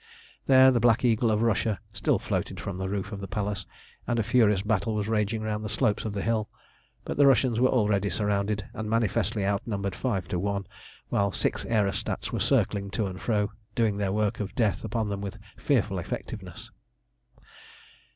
There the Black Eagle of Russia still floated from the roof of the Palace, and a furious battle was raging round the slopes of the hill. But the Russians were already surrounded, and manifestly outnumbered five to one, while six aerostats were circling to and fro, doing their work of death upon them with fearful effectiveness.